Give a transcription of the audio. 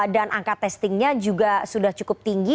dan angka testingnya juga sudah cukup tinggi